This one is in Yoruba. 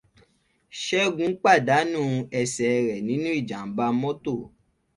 Ṣégun pàdánù ẹsẹ̀ rẹ̀ nínú Ìjàm̀bá mọ́tò.